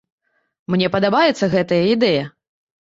Мне падабаецца гэтая ідэя!